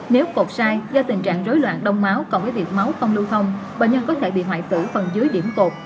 nếu cột sai do tình trạng rối loạn đông máu còn với việc máu không lưu thông bệnh nhân có thể bị hoại tử phần dưới điểm cột